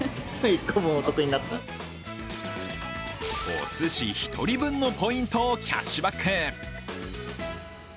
おすし１人分のポイントをキャッシュバック。